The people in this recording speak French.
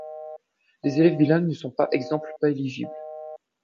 Les élèves bilingues ne sont par exemple pas éligibles.